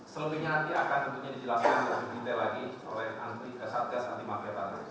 seluruhnya nanti akan tentunya dijelaskan lebih detail lagi oleh satgas anti maketa